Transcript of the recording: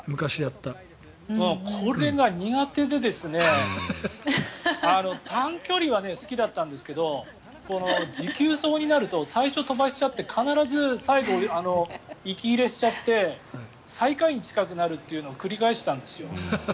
これが苦手で短距離は好きだったんですけど持久走になると最初飛ばしちゃって、必ず最後息切れしちゃって最下位に近くなるというのを繰り返したんです。